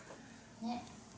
ねっ！